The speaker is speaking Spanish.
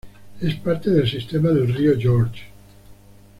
Es parte del sistema del río Georges.